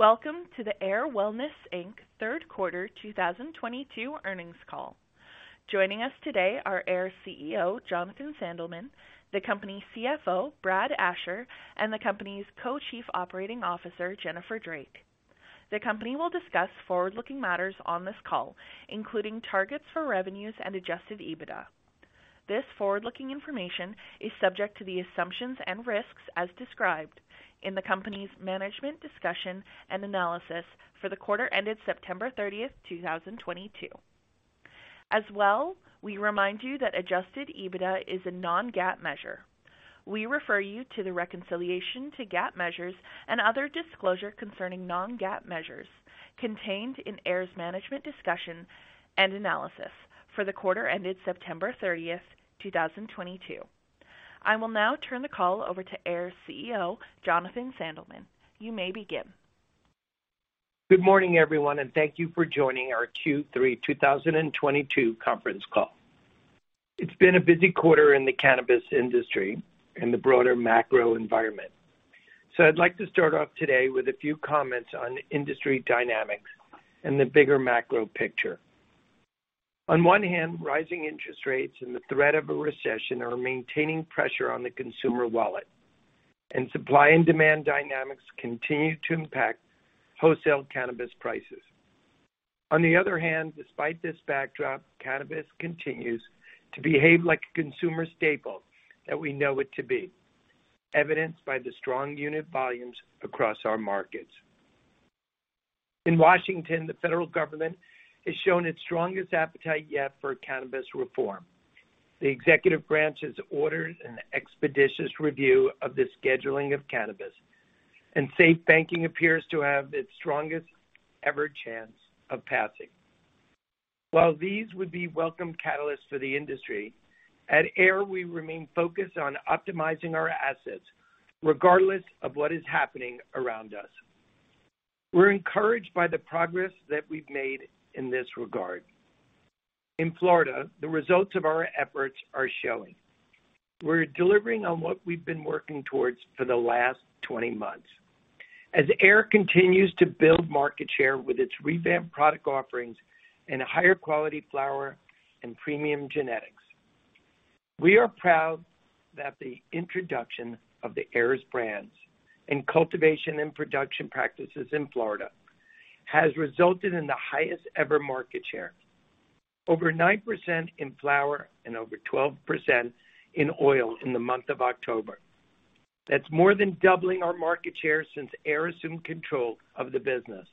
Welcome to the Ayr Wellness Inc. third quarter 2022 earnings call. Joining us today are Ayr CEO, Jonathan Sandelman, the company's CFO, Brad Asher, and the company's Co-Chief Operating Officer, Jennifer Drake. The company will discuss forward-looking matters on this call, including targets for revenues and adjusted EBITDA. This forward-looking information is subject to the assumptions and risks as described in the company's management discussion and analysis for the quarter-ended September 30th, 2022. We remind you that adjusted EBITDA is a non-GAAP measure. We refer you to the reconciliation to GAAP measures and other disclosure concerning non-GAAP measures contained in Ayr's management discussion and analysis for the quarter-ended September 30th, 2022. I will now turn the call over to Ayr's CEO, Jonathan Sandelman. You may begin. Good morning, everyone, and thank you for joining our Q3 2022 conference call. It's been a busy quarter in the cannabis industry and the broader macro environment. I'd like to start off today with a few comments on industry dynamics and the bigger macro picture. On one hand, rising interest rates and the threat of a recession are maintaining pressure on the consumer wallet, and supply and demand dynamics continue to impact wholesale cannabis prices. On the other hand, despite this backdrop, cannabis continues to behave like a consumer staple that we know it to be, evidenced by the strong unit volumes across our markets. In Washington, the federal government has shown its strongest appetite yet for cannabis reform. The executive branch has ordered an expeditious review of the scheduling of cannabis, and safe banking appears to have its strongest ever chance of passing. While these would be welcome catalysts for the industry, at Ayr, we remain focused on optimizing our assets regardless of what is happening around us. We're encouraged by the progress that we've made in this regard. In Florida, the results of our efforts are showing. We're delivering on what we've been working towards for the last 20 months. As Ayr continues to build market share with its revamped product offerings and higher quality flower and premium genetics, we are proud that the introduction of the Ayr's brands and cultivation and production practices in Florida has resulted in the highest ever market share. Over 9% in flower and over 12% in oil in the month of October. That's more than doubling our market share since Ayr assumed control of the business.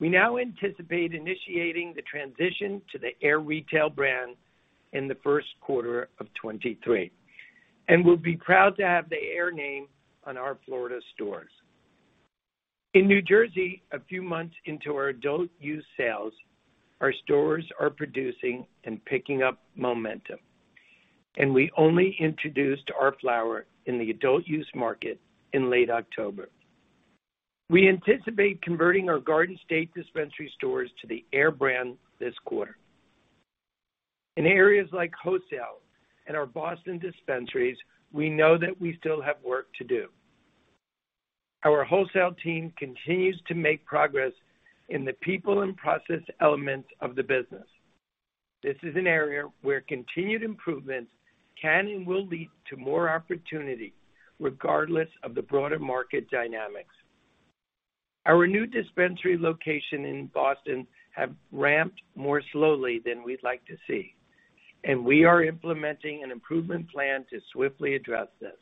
We now anticipate initiating the transition to the Ayr retail brand in the first quarter of 2023, and we'll be proud to have the Ayr name on our Florida stores. In New Jersey, a few months into our adult-use sales, our stores are producing and picking up momentum, and we only introduced our flower in the adult-use market in late October. We anticipate converting our Garden State Dispensary stores to the Ayr brand this quarter. In areas like wholesale and our Boston Dispensaries, we know that we still have work to do. Our wholesale team continues to make progress in the people and process elements of the business. This is an area where continued improvements can and will lead to more opportunity regardless of the broader market dynamics. Our new Dispensary location in Boston have ramped more slowly than we'd like to see, and we are implementing an improvement plan to swiftly address this.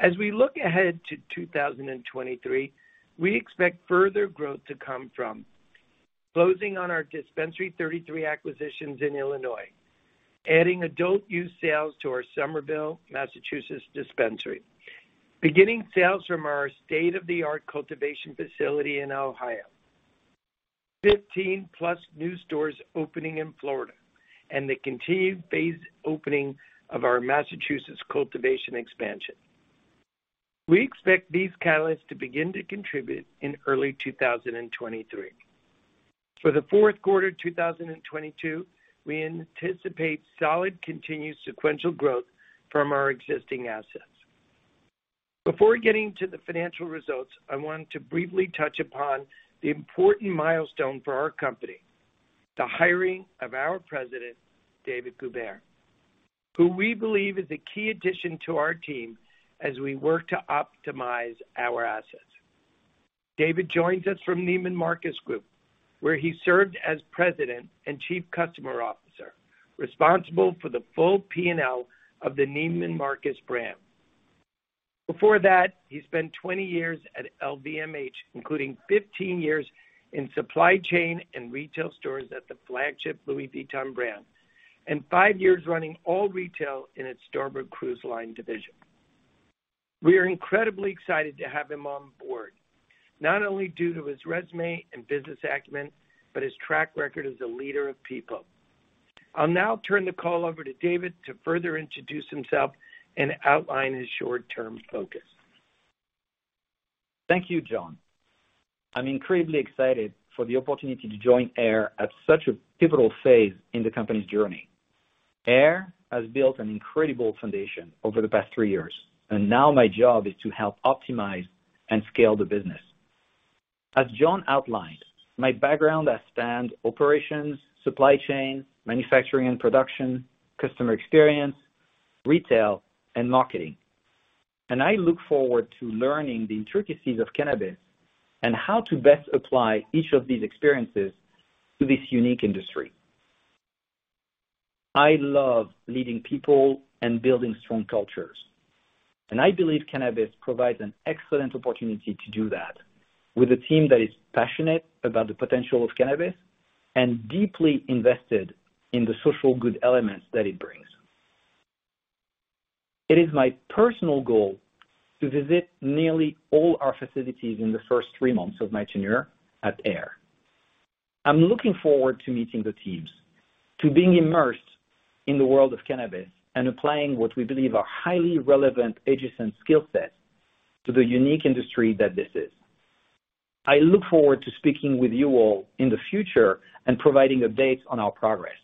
As we look ahead to 2023, we expect further growth to come from closing on our Dispensary 33 acquisitions in Illinois, adding adult-use sales to our Somerville, Massachusetts Dispensary, beginning sales from our state-of-the-art cultivation facility in Ohio, 15+ new stores opening in Florida, and the continued phased opening of our Massachusetts cultivation expansion. We expect these catalysts to begin to contribute in early 2023. For the fourth quarter 2022, we anticipate solid, continued sequential growth from our existing assets. Before getting to the financial results, I want to briefly touch upon the important milestone for our company, the hiring of our President, David Goubert, who we believe is a key addition to our team as we work to optimize our assets. David joins us from Neiman Marcus Group, where he served as President and Chief Customer Officer, responsible for the full P&L of the Neiman Marcus brand. Before that, he spent 20 years at LVMH, including 15 years in supply chain and retail stores at the flagship Louis Vuitton brand and five years running all retail in its Starboard Cruise Services division. We are incredibly excited to have him on board, not only due to his resume and business acumen, but his track record as a leader of people. I'll now turn the call over to David to further introduce himself and outline his short-term focus. Thank you, Jon. I'm incredibly excited for the opportunity to join Ayr at such a pivotal phase in the company's journey. Ayr has built an incredible foundation over the past three years, and now my job is to help optimize and scale the business. As Jon outlined, my background has spanned operations, supply chain, manufacturing and production, customer experience, retail, and marketing. I look forward to learning the intricacies of cannabis and how to best apply each of these experiences to this unique industry. I love leading people and building strong cultures, and I believe cannabis provides an excellent opportunity to do that with a team that is passionate about the potential of cannabis and deeply invested in the social good elements that it brings. It is my personal goal to visit nearly all our facilities in the first three months of my tenure at Ayr. I'm looking forward to meeting the teams, to being immersed in the world of cannabis and applying what we believe are highly relevant adjacent skill sets to the unique industry that this is. I look forward to speaking with you all in the future and providing updates on our progress.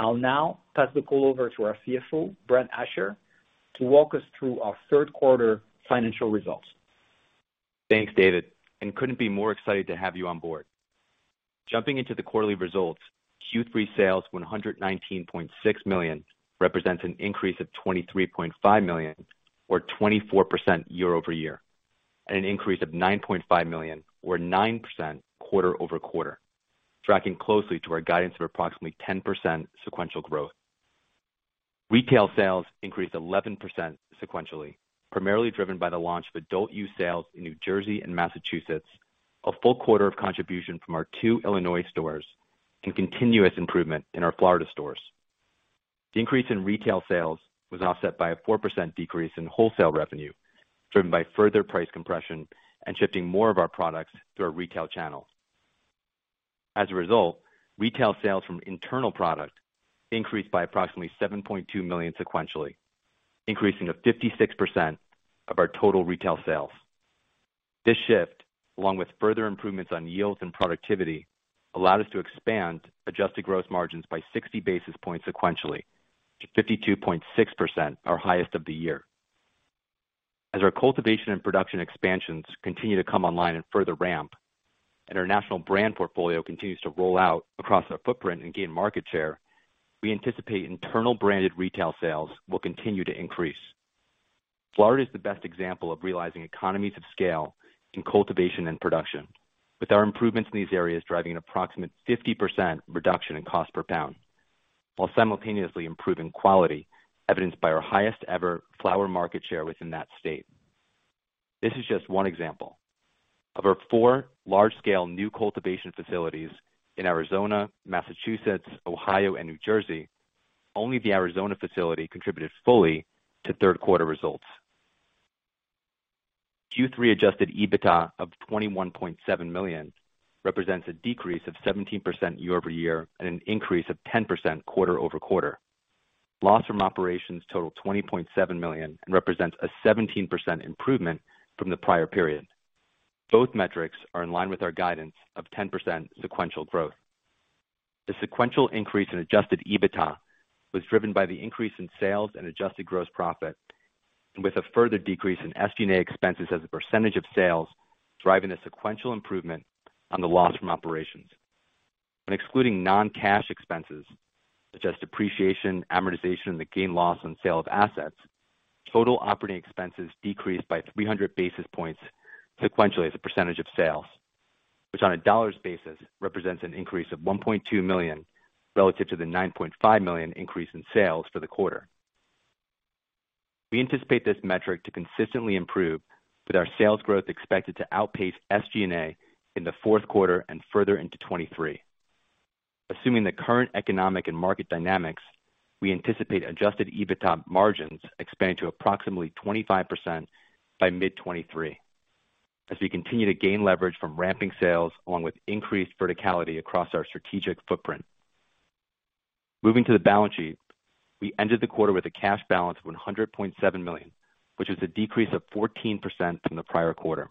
I'll now pass the call over to our CFO, Brad Asher, to walk us through our third quarter financial results. Thanks, David, and couldn't be more excited to have you on board. Jumping into the quarterly results, Q3 sales $119.6 million represents an increase of $23.5 million, or 24% year-over-year, and an increase of $9.5 million, or 9% quarter-over-quarter, tracking closely to our guidance of approximately 10% sequential growth. Retail sales increased 11% sequentially, primarily driven by the launch of adult-use sales in New Jersey and Massachusetts, a full-quarter of contribution from our two Illinois stores, and continuous improvement in our Florida stores. The increase in retail sales was offset by a 4% decrease in wholesale revenue, driven by further price compression and shifting more of our products through our retail channels. As a result, retail sales from internal product increased by approximately $7.2 million sequentially, increasing to 56% of our total retail sales. This shift, along with further improvements on yields and productivity, allowed us to expand adjusted gross margins by 60 basis points sequentially to 52.6%, our highest of the year. As our cultivation and production expansions continue to come online and further ramp, and our national brand portfolio continues to roll out across our footprint and gain market share, we anticipate internal branded retail sales will continue to increase. Florida is the best example of realizing economies of scale in cultivation and production, with our improvements in these areas driving an approximate 50% reduction in cost per pound while simultaneously improving quality, evidenced by our highest ever flower market share within that state. This is just one example. Of our four large-scale new cultivation facilities in Arizona, Massachusetts, Ohio, and New Jersey, only the Arizona facility contributed fully to third quarter results. Q3 adjusted EBITDA of $21.7 million represents a decrease of 17% year-over-year and an increase of 10% quarter-over-quarter. Loss from operations totaled $20.7 million and represents a 17% improvement from the prior period. Both metrics are in line with our guidance of 10% sequential growth. The sequential increase in adjusted EBITDA was driven by the increase in sales and adjusted gross profit, and with a further decrease in SG&A expenses as a percentage of sales, driving a sequential improvement on the loss from operations. When excluding non-cash expenses such as depreciation, amortization, and the gain/loss on sale of assets, total operating expenses decreased by 300 basis points sequentially as a percentage of sales, which on a dollars basis represents an increase of $1.2 million relative to the $9.5 million increase in sales for the quarter. We anticipate this metric to consistently improve, with our sales growth expected to outpace SG&A in the fourth quarter and further into 2023. Assuming the current economic and market dynamics, we anticipate adjusted EBITDA margins expanding to approximately 25% by mid-2023 as we continue to gain leverage from ramping sales along with increased verticality across our strategic footprint. Moving to the balance sheet, we ended the quarter with a cash balance of $100.7 million, which is a decrease of 14% from the prior quarter.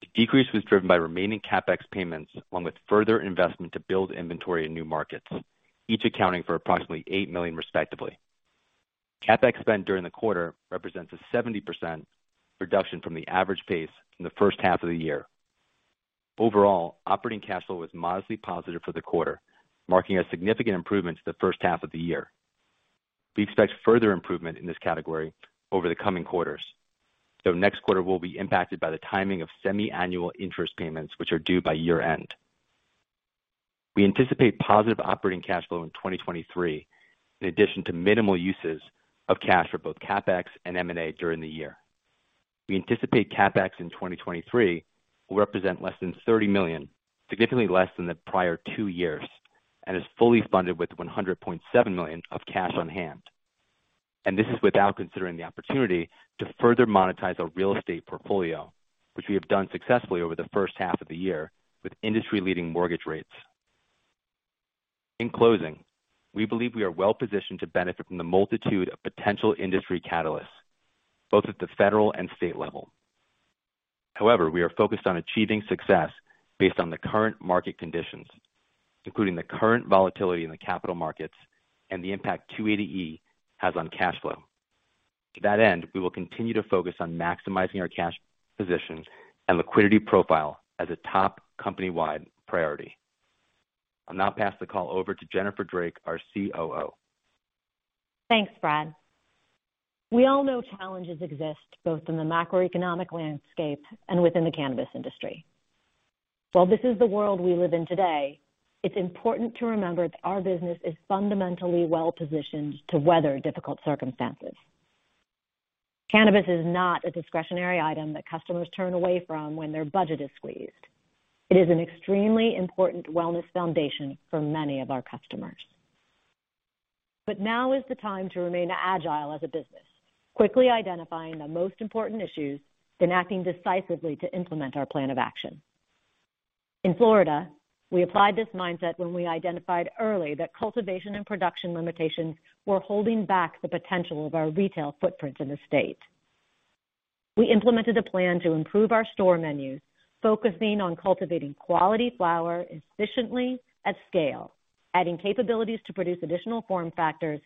The decrease was driven by remaining CapEx payments along with further investment to build inventory in new markets, each accounting for approximately $8 million respectively. CapEx spend during the quarter represents a 70% reduction from the average pace in the first half of the year. Overall, operating cash flow was modestly positive for the quarter, marking a significant improvement to the first half of the year. We expect further improvement in this category over the coming quarters, though next quarter will be impacted by the timing of semi-annual interest payments, which are due by year-end. We anticipate positive operating cash flow in 2023, in addition to minimal uses of cash for both CapEx and M&A during the year. We anticipate CapEx in 2023 will represent less than $30 million, significantly less than the prior two years, and is fully funded with $100.7 million of cash on hand. This is without considering the opportunity to further monetize our real estate portfolio, which we have done successfully over the first half of the year with industry-leading mortgage rates. In closing, we believe we are well-positioned to benefit from the multitude of potential industry catalysts, both at the federal and state level. However, we are focused on achieving success based on the current market conditions, including the current volatility in the capital markets and the impact 280E has on cash flow. To that end, we will continue to focus on maximizing our cash position and liquidity profile as a top company-wide priority. I'll now pass the call over to Jennifer Drake, our COO. Thanks, Brad. We all know challenges exist both in the macroeconomic landscape and within the cannabis industry. While this is the world we live in today, it's important to remember that our business is fundamentally well-positioned to weather difficult circumstances. Cannabis is not a discretionary item that customers turn away from when their budget is squeezed. It is an extremely important wellness foundation for many of our customers. Now is the time to remain agile as a business, quickly identifying the most important issues, then acting decisively to implement our plan of action. In Florida, we applied this mindset when we identified early that cultivation and production limitations were holding back the potential of our retail footprint in the state. We implemented a plan to improve our store menus, focusing on cultivating quality flower efficiently at scale, adding capabilities to produce additional form factors,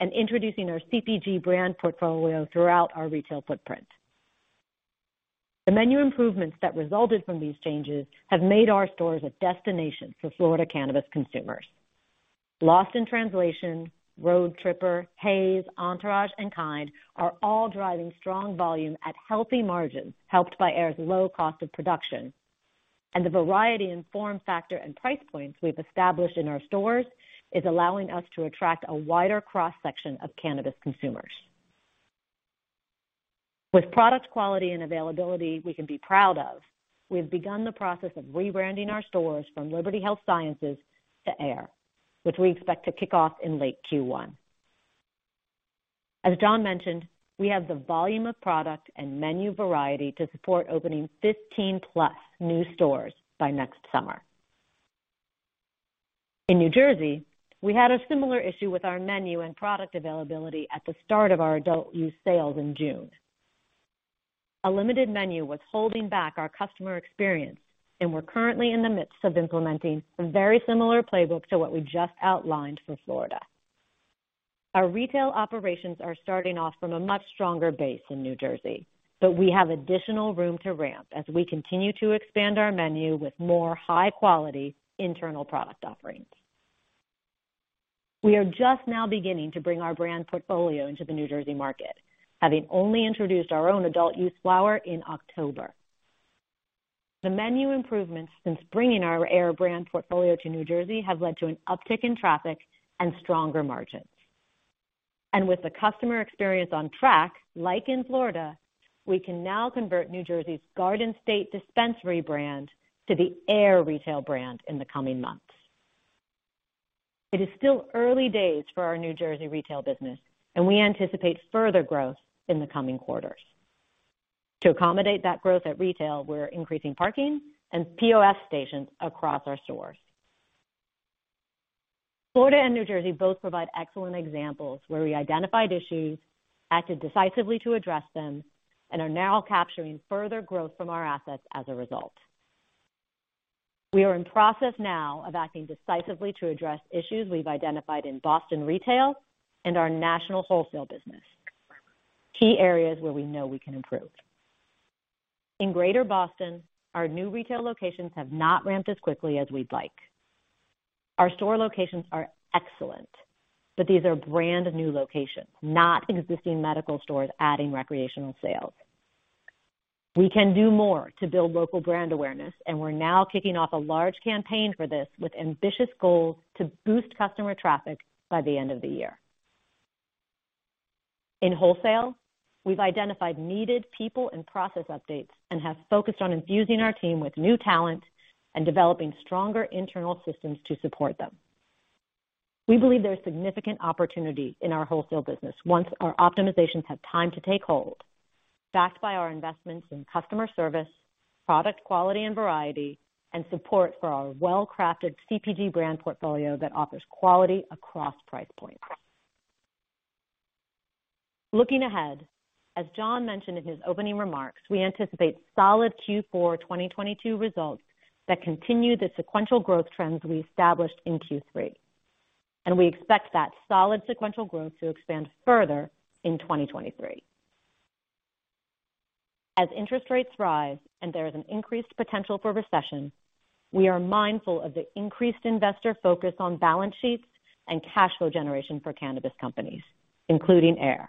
and introducing our CPG brand portfolio throughout our retail footprint. The menu improvements that resulted from these changes have made our stores a destination for Florida cannabis consumers. Lost in Translation, Road Tripper, HAZE, Entourage, and Kynd are all driving strong volume at healthy margins, helped by Ayr's low cost of production. The variety in form factor and price points we've established in our stores is allowing us to attract a wider cross-section of cannabis consumers. With product quality and availability we can be proud of, we have begun the process of rebranding our stores from Liberty Health Sciences to Ayr, which we expect to kick off in late Q1. As Jon mentioned, we have the volume of product and menu variety to support opening 15+ new stores by next summer. In New Jersey, we had a similar issue with our menu and product availability at the start of our adult-use sales in June. A limited menu was holding back our customer experience, and we're currently in the midst of implementing a very similar playbook to what we just outlined for Florida. Our retail operations are starting off from a much stronger base in New Jersey, but we have additional room to ramp as we continue to expand our menu with more high-quality internal product offerings. We are just now beginning to bring our brand portfolio into the New Jersey market, having only introduced our own adult-use flower in October. The menu improvements since bringing our Ayr brand portfolio to New Jersey have led to an uptick in traffic and stronger margins. With the customer experience on track, like in Florida, we can now convert New Jersey's Garden State Dispensary brand to the Ayr retail brand in the coming months. It is still early days for our New Jersey retail business, and we anticipate further growth in the coming quarters. To accommodate that growth at retail, we're increasing parking and POS stations across our stores. Florida and New Jersey both provide excellent examples where we identified issues, acted decisively to address them, and are now capturing further growth from our assets as a result. We are in process now of acting decisively to address issues we've identified in Boston retail and our national wholesale business, key areas where we know we can improve. In Greater Boston, our new retail locations have not ramped as quickly as we'd like. Our store locations are excellent, but these are brand-new locations, not existing medical stores adding recreational sales. We can do more to build local brand awareness, and we're now kicking off a large campaign for this with ambitious goals to boost customer traffic by the end of the year. In wholesale, we've identified needed people and process updates and have focused on infusing our team with new talent and developing stronger internal systems to support them. We believe there is significant opportunity in our wholesale business once our optimizations have time to take hold, backed by our investments in customer service, product quality and variety, and support for our well-crafted CPG brand portfolio that offers quality across price points. Looking ahead, as Jon mentioned in his opening remarks, we anticipate solid Q4 2022 results that continue the sequential growth trends we established in Q3, and we expect that solid sequential growth to expand further in 2023. As interest rates rise and there is an increased potential for recession, we are mindful of the increased investor focus on balance sheets and cash flow generation for cannabis companies, including Ayr.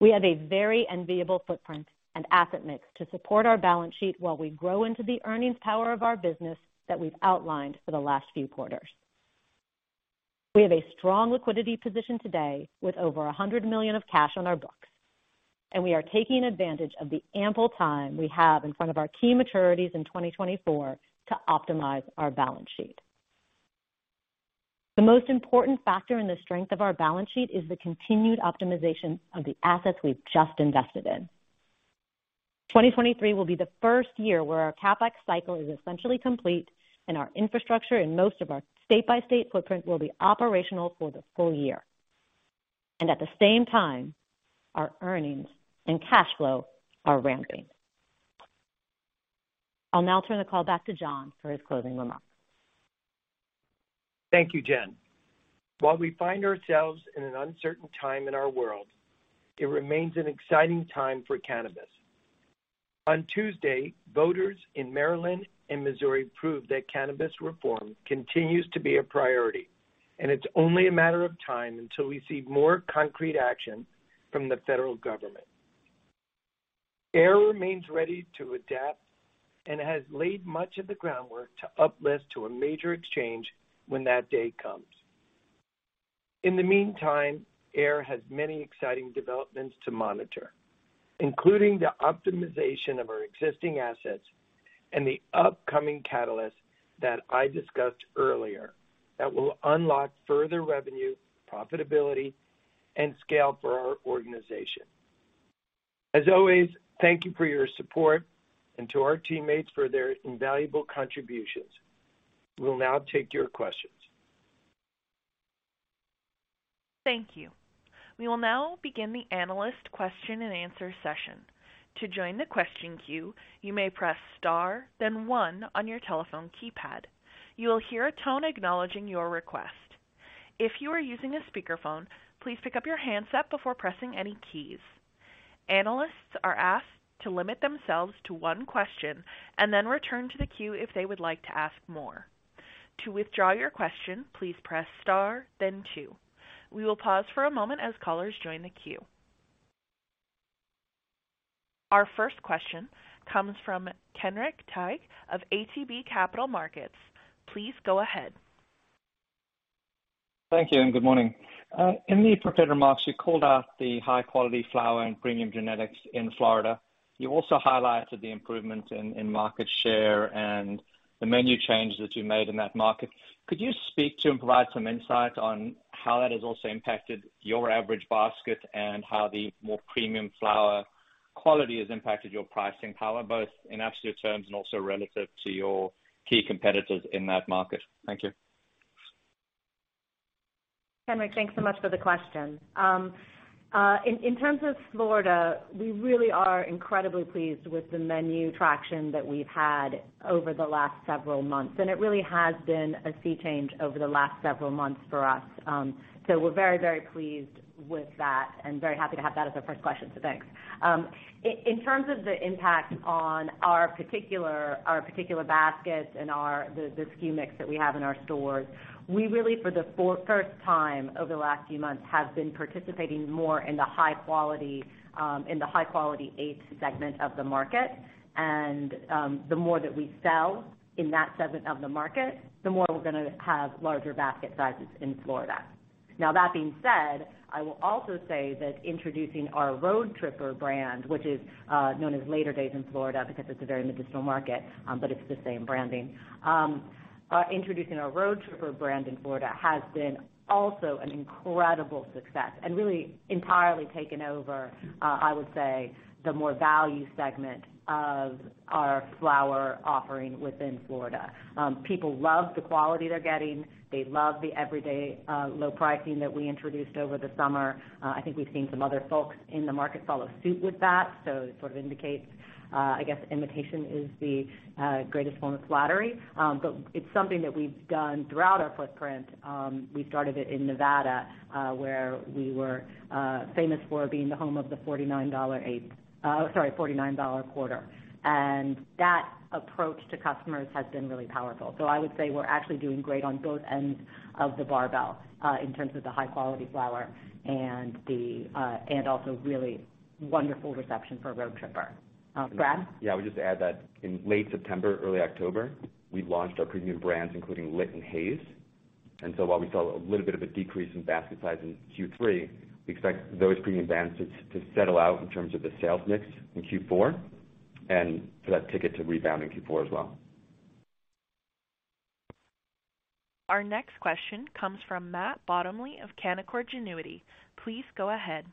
We have a very enviable footprint and asset mix to support our balance sheet while we grow into the earnings power of our business that we've outlined for the last few quarters. We have a strong liquidity position today with over $100 million of cash on our books, and we are taking advantage of the ample time we have in front of our key maturities in 2024 to optimize our balance sheet. The most important factor in the strength of our balance sheet is the continued optimization of the assets we've just invested in. 2023 will be the first year where our CapEx cycle is essentially complete and our infrastructure in most of our state-by-state footprint will be operational for the full-year. At the same time, our earnings and cash flow are ramping. I'll now turn the call back to Jon for his closing remarks. Thank you, Jen. While we find ourselves in an uncertain time in our world, it remains an exciting time for cannabis. On Tuesday, voters in Maryland and Missouri proved that cannabis reform continues to be a priority, and it's only a matter of time until we see more concrete action from the federal government. Ayr remains ready to adapt and has laid much of the groundwork to uplift to a major exchange when that day comes. In the meantime, Ayr has many exciting developments to monitor, including the optimization of our existing assets and the upcoming catalyst that I discussed earlier that will unlock further revenue, profitability, and scale for our organization. As always, thank you for your support and to our teammates for their invaluable contributions. We'll now take your questions. Thank you. We will now begin the analyst question-and-answer session. To join the question queue, you may press star then one on your telephone keypad. You will hear a tone acknowledging your request. If you are using a speakerphone, please pick up your handset before pressing any keys. Analysts are asked to limit themselves to one question and then return to the queue if they would like to ask more. To withdraw your question, please press star then two. We will pause for a moment as callers join the queue. Our first question comes from Kenric Tyghe of ATB Capital Markets. Please go ahead. Thank you, and good morning. In the prepared remarks, you called out the high-quality flower and premium genetics in Florida. You also highlighted the improvement in market share and the menu changes that you made in that market. Could you speak to and provide some insight on how that has also impacted your average basket and how the more premium flower quality has impacted your pricing power, both in absolute terms and also relative to your key competitors in that market? Thank you. Kenric, thanks so much for the question. In terms of Florida, we really are incredibly pleased with the menu traction that we've had over the last several months, and it really has been a sea change over the last several months for us. We're very pleased with that and very happy to have that as our first question. Thanks. In terms of the impact on our particular baskets and the SKU mix that we have in our stores, we really, for the first time over the last few months, have been participating more in the high-quality eighths segment of the market. The more that we sell in that segment of the market, the more we're gonna have larger basket sizes in Florida. Now that being said, I will also say that introducing our Road Tripper brand, which is known as Later Days in Florida because it's a very medicinal market, but it's the same branding. Introducing our Road Tripper brand in Florida has been also an incredible success and really entirely taken over, I would say, the more value segment of our flower offering within Florida. People love the quality they're getting. They love the everyday low pricing that we introduced over the summer. I think we've seen some other folks in the market follow suit with that. It sort of indicates, I guess, imitation is the greatest form of flattery. It's something that we've done throughout our footprint. We started it in Nevada, where we were famous for being the home of the $49 quarter. That approach to customers has been really powerful. I would say we're actually doing great on both ends of the barbell, in terms of the high-quality flower and the and also really wonderful reception for Road Tripper. Brad? Yeah. I would just add that in late September, early October, we launched our premium brands, including LIT and HAZE. While we saw a little bit of a decrease in basket size in Q3, we expect those premium brands to settle out in terms of the sales mix in Q4 and for that ticket to rebound in Q4 as well. Our next question comes from Matt Bottomley of Canaccord Genuity. Please go ahead.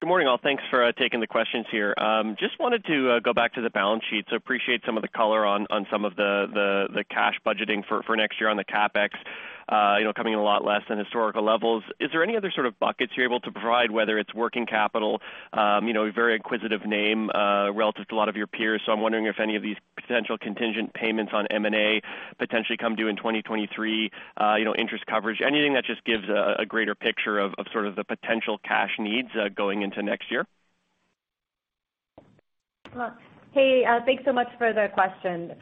Good morning, all. Thanks for taking the questions here. Just wanted to go back to the balance sheet. Appreciate some of the color on some of the cash budgeting for next year on the CapEx, you know, coming in a lot less than historical levels. Is there any other sort of buckets you're able to provide, whether it's working capital, you know, a very acquisitive name, relative to a lot of your peers. I'm wondering if any of these potential contingent payments on M&A potentially come due in 2023, you know, interest coverage, anything that just gives a greater picture of sort of the potential cash needs, going into next year. Well, hey, thanks so much for the question.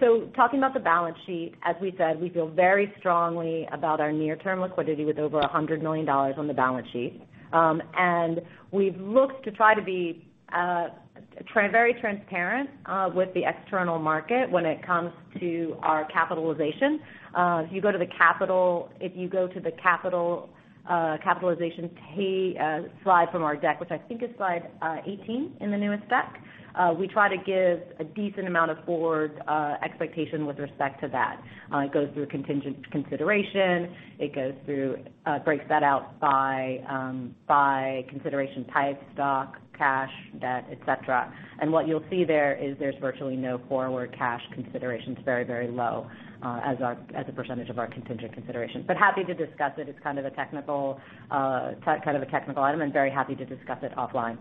So talking about the balance sheet, as we said, we feel very strongly about our near-term liquidity with over $100 million on the balance sheet. We've looked to try to be very transparent with the external market when it comes to our capitalization. If you go to the capitalization slide from our deck, which I think is slide 18 in the newest deck, we try to give a decent amount of forward expectation with respect to that. It goes through contingent consideration. It goes through, breaks that out by consideration type, stock, cash, debt, et cetera. What you'll see there is there's virtually no forward cash consideration. It's very, very low as a percentage of our contingent consideration. Happy to discuss it. It's kind of a technical item, and very happy to discuss it offline.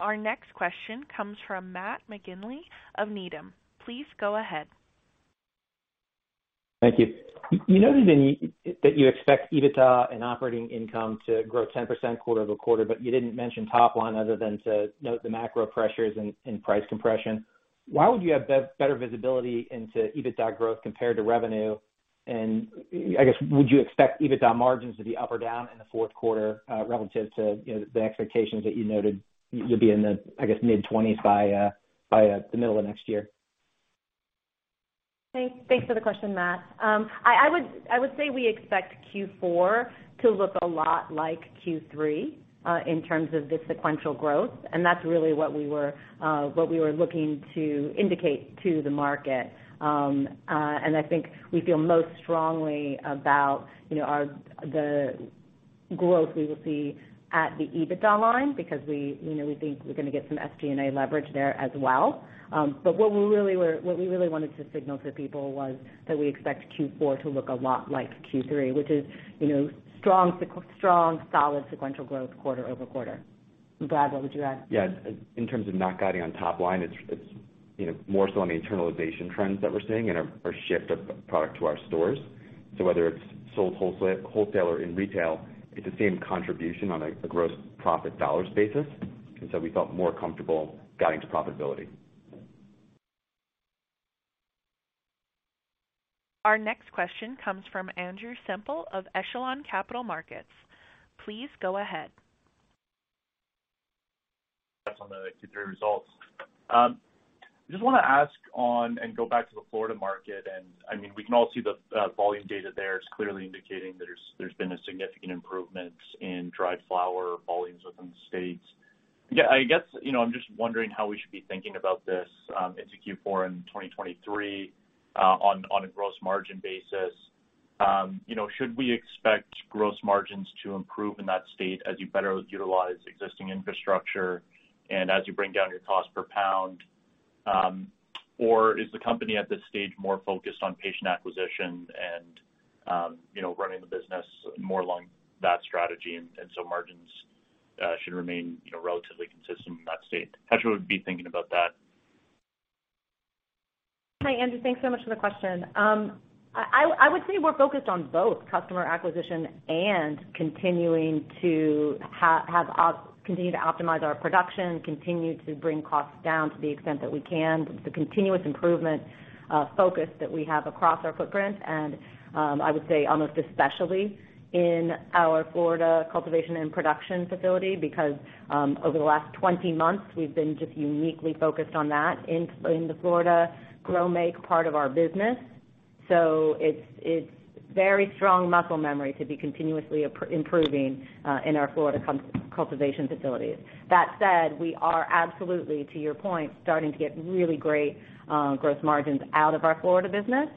Our next question comes from Matt McGinley of Needham. Please go ahead. Thank you. You noted that you expect EBITDA and operating income to grow 10% quarter-over-quarter, but you didn't mention top line other than to note the macro pressures and price compression. Why would you have better visibility into EBITDA growth compared to revenue? I guess, would you expect EBITDA margins to be up or down in the fourth quarter, relative to, you know, the expectations that you noted you'll be in the, I guess, mid-20s% by the middle of next year? Thanks for the question, Matt. I would say we expect Q4 to look a lot like Q3 in terms of the sequential growth. That's really what we were looking to indicate to the market. I think we feel most strongly about, you know, the growth we will see at the EBITDA line because we, you know, we think we're gonna get some SG&A leverage there as well. What we really wanted to signal to people was that we expect Q4 to look a lot like Q3, which is, you know, strong, solid sequential growth quarter-over-quarter. Brad, what would you add? Yeah. In terms of not guiding on top line, it's, you know, more so on the internalization trends that we're seeing and our shift of product to our stores. Whether it's sold wholesale or in retail, it's the same contribution on a gross profit dollar basis. We felt more comfortable guiding to profitability. Our next question comes from Andrew Semple of Echelon Capital Markets. Please go ahead. That's on the Q3 results. I just wanna ask on and go back to the Florida market, and, I mean, we can all see the volume data there. It's clearly indicating there's been a significant improvement in dried flower volumes within the state. I guess, you know, I'm just wondering how we should be thinking about this into Q4 in 2023 on a gross margin basis. You know, should we expect gross margins to improve in that state as you better utilize existing infrastructure and as you bring down your cost per pound? Or is the company at this stage more focused on patient acquisition and, you know, running the business more along that strategy, and so margins should remain, you know, relatively consistent in that state? How should we be thinking about that? Hi, And. Thanks so much for the question. I would say we're focused on both customer acquisition and continuing to continue to optimize our production, continue to bring costs down to the extent that we can, the continuous improvement focus that we have across our footprint. I would say almost especially in our Florida cultivation and production facility, because over the last 20 months, we've been just uniquely focused on that in the Florida grow make part of our business. It's very strong muscle memory to be continuously improving in our Florida cultivation facilities. That said, we are absolutely, to your point, starting to get really great gross margins out of our Florida business,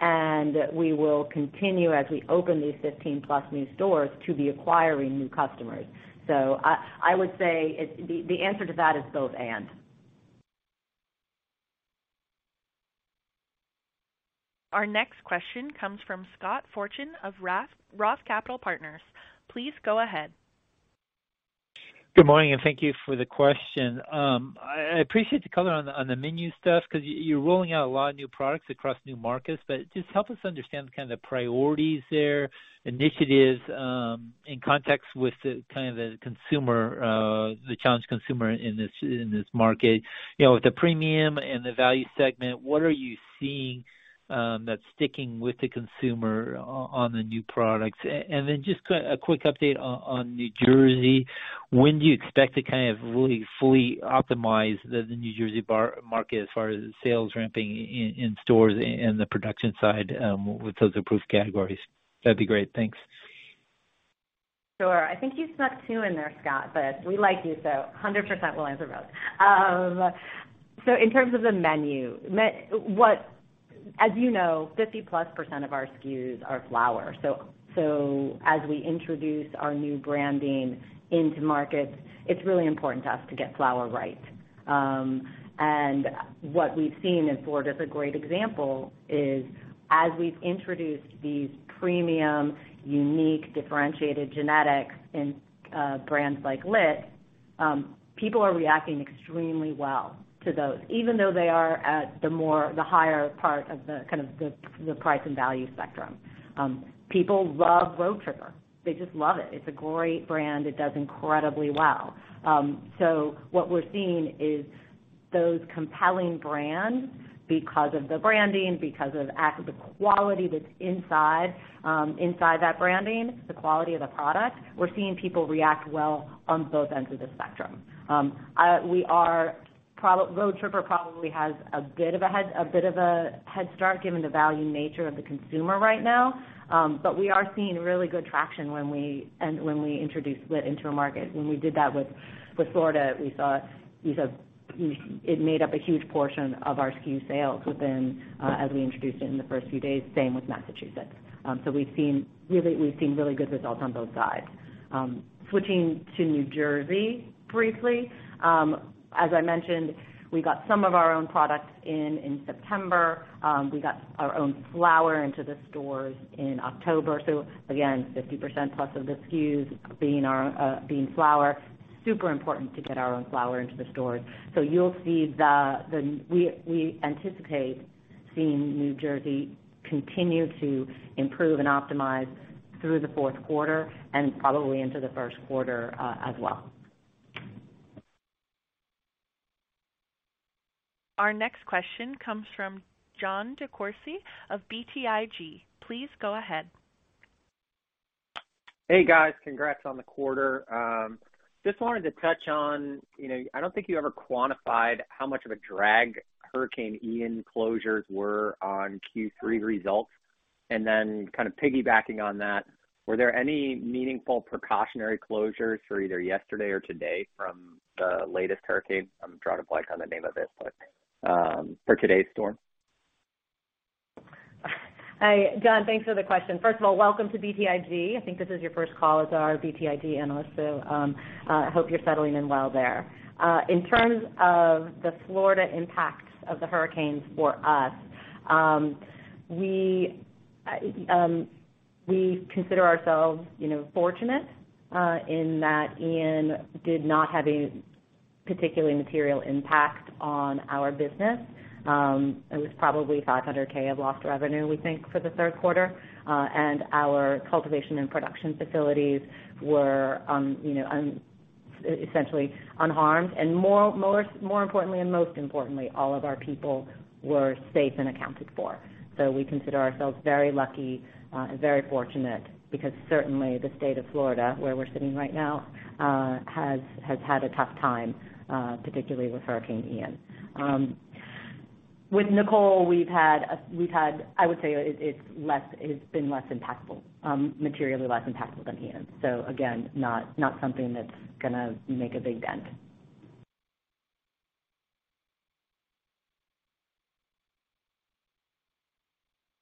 and we will continue as we open these 15+ new stores to be acquiring new customers. I would say it's the answer to that is both And. Our next question comes from Scott Fortune of ROTH Capital Partners. Please go ahead. Good morning, and thank you for the question. I appreciate the color on the menu stuff because you're rolling out a lot of new products across new markets. Just help us understand the kind of priorities there, initiatives, in context with the kind of consumer, the challenging consumer in this market. You know, with the premium and the value segment, what are you seeing that's sticking with the consumer on the new products? Then just a quick update on New Jersey. When do you expect to kind of really fully optimize the New Jersey market as far as sales ramping in stores and the production side with those approved categories? That'd be great. Thanks. Sure. I think you snuck two in there, Scott, but we like you, so 100% we'll answer both. In terms of the menu, as you know, 50%+ of our SKUs are flower. As we introduce our new branding into markets, it's really important to us to get flower right. What we've seen in Florida is a great example, as we've introduced these premium, unique, differentiated genetics in brands like LIT, people are reacting extremely well to those, even though they are at the more, the higher part of the, kind of the price and value spectrum. People love Road Tripper. They just love it. It's a great brand. It does incredibly well. What we're seeing is those compelling brands because of the branding, because of the quality that's inside that branding, the quality of the product. We're seeing people react well on both ends of the spectrum. Road Tripper probably has a bit of a head start given the value nature of the consumer right now. We're seeing really good traction when we introduce LIT into a market. When we did that with Florida, we saw it made up a huge portion of our SKU sales within, as we introduced it in the first few days, same with Massachusetts. We've seen really good results on both sides. Switching to New Jersey briefly. As I mentioned, we got some of our own products in September. We got our own flower into the stores in October. Again, 50%+ of the SKUs being our flower. Super important to get our own flower into the stores. You'll see we anticipate seeing New Jersey continue to improve and optimize through the fourth quarter and probably into the first quarter as well. Our next question comes from Jon DeCourcey of BTIG. Please go ahead. Hey, guys. Congrats on the quarter. Just wanted to touch on, you know, I don't think you ever quantified how much of a drag Hurricane Ian closures were on Q3 results. Kind of piggybacking on that, were there any meaningful precautionary closures for either yesterday or today from the latest hurricane? I'm drawing a blank on the name of it, but for today's storm. Hi, Jon. Thanks for the question. First of all, welcome to BTIG. I think this is your first call as our BTIG Analyst, so hope you're settling in well there. In terms of the Florida impacts of the hurricanes for us, we consider ourselves, you know, fortunate in that Ian did not have a particularly material impact on our business. It was probably $500,000 of lost revenue, we think, for the third quarter. Our cultivation and production facilities were, you know, essentially unharmed. More importantly, and most importantly, all of our people were safe and accounted for. We consider ourselves very lucky and very fortunate because certainly the state of Florida, where we're sitting right now, has had a tough time, particularly with Hurricane Ian. With Nicole, we've had, I would say, it's been less impactful, materially less impactful than Ian. Again, not something that's gonna make a big dent.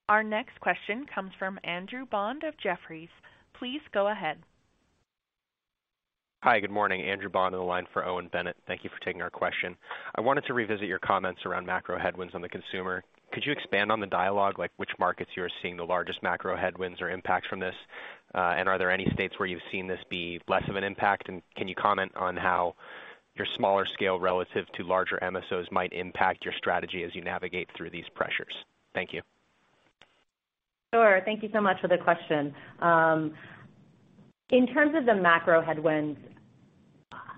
Our next question comes from Andrew Bond of Jefferies. Please go ahead. Hi, good morning. Andrew Bond on the line for Owen Bennett. Thank you for taking our question. I wanted to revisit your comments around macro headwinds on the consumer. Could you expand on the dialogue, like which markets you're seeing the largest macro headwinds or impacts from this? Are there any states where you've seen this be less of an impact? Can you comment on how your smaller scale relative to larger MSOs might impact your strategy as you navigate through these pressures? Thank you. Sure. Thank you so much for the question. In terms of the macro headwinds,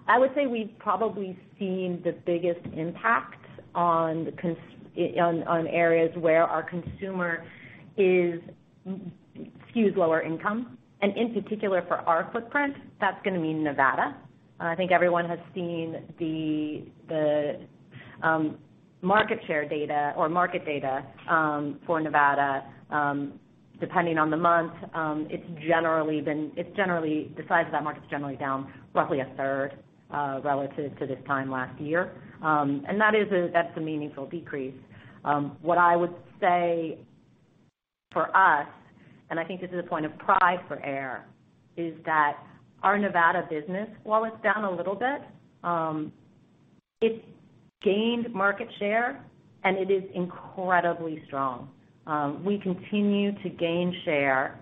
I would say we've probably seen the biggest impact on areas where our consumer skews lower income, and in particular for our footprint, that's gonna mean Nevada. I think everyone has seen the market share data or market data for Nevada, depending on the month, the size of that market is generally down roughly a third relative to this time last year. That's a meaningful decrease. What I would say for us, and I think this is a point of pride for Ayr, is that our Nevada business, while it's down a little bit, it's gained market share, and it is incredibly strong. We continue to gain share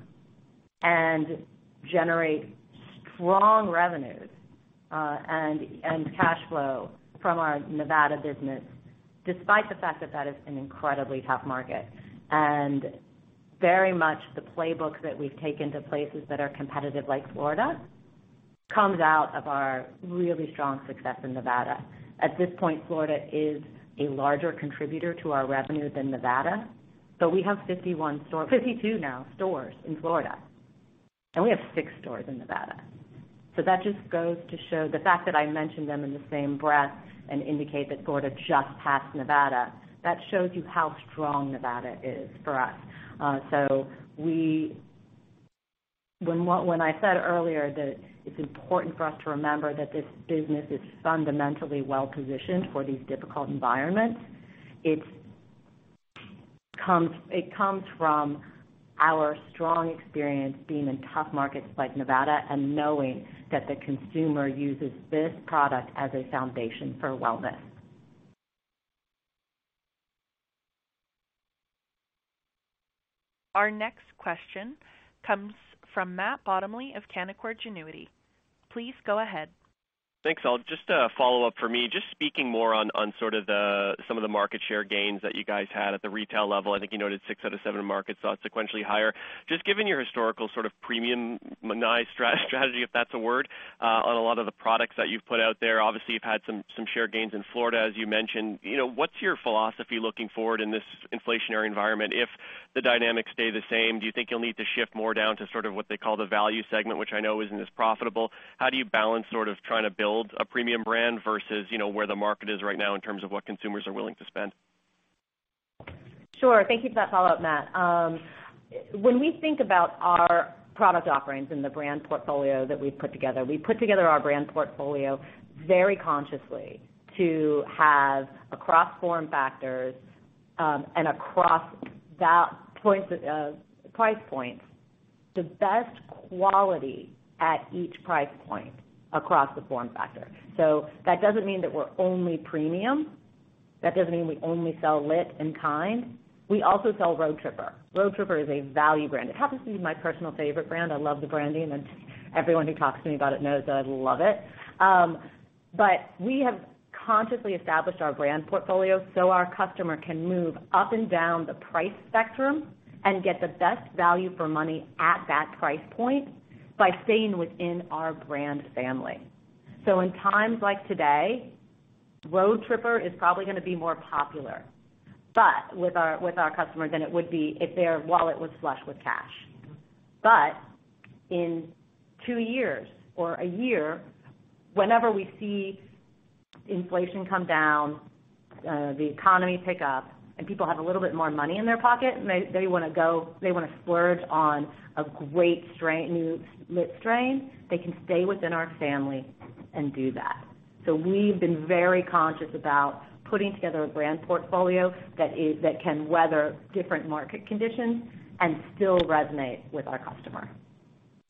and generate strong revenues and cash flow from our Nevada business, despite the fact that that is an incredibly tough market. Very much the playbook that we've taken to places that are competitive, like Florida, comes out of our really strong success in Nevada. At this point, Florida is a larger contributor to our revenue than Nevada, but we have 52 stores now in Florida, and we have six stores in Nevada. That just goes to show the fact that I mention them in the same breath and indicate that Florida just passed Nevada. That shows you how strong Nevada is for us. When I said earlier that it's important for us to remember that this business is fundamentally well-positioned for these difficult environments, it comes from our strong experience being in tough markets like Nevada and knowing that the consumer uses this product as a foundation for wellness. Our next question comes from Matt Bottomley of Canaccord Genuity. Please go ahead. Thanks, all. Just a follow-up for me. Just speaking more on sort of some of the market share gains that you guys had at the retail level. I think you noted six out of seven markets sequentially higher. Just given your historical sort of premium-nized strategy, if that's a word, on a lot of the products that you've put out there, obviously you've had some share gains in Florida, as you mentioned. You know, what's your philosophy looking forward in this inflationary environment? If the dynamics stay the same, do you think you'll need to shift more down to sort of what they call the value segment, which I know isn't as profitable? How do you balance sort of trying to build a premium brand versus, you know, where the market is right now in terms of what consumers are willing to spend? Sure. Thank you for that follow-up, Matt. When we think about our product offerings and the brand portfolio that we've put together, we put together our brand portfolio very consciously to have across form factors and across price points the best quality at each price point across the form factor. That doesn't mean that we're only premium. That doesn't mean we only sell LIT and Kynd. We also sell Road Tripper. Road Tripper is a value brand. It happens to be my personal favorite brand. I love the branding, and everyone who talks to me about it knows that I love it. We have consciously established our brand portfolio so our customer can move up and down the price spectrum and get the best value for money at that price point by staying within our brand family. In times like today, Road Tripper is probably gonna be more popular with our customer than it would be if their wallet was flush with cash. In two years or a year, whenever we see inflation come down, the economy pick up and people have a little bit more money in their pocket, and they wanna splurge on a great strain, new LIT strain, they can stay within our family and do that. We've been very conscious about putting together a brand portfolio that can weather different market conditions and still resonate with our customer.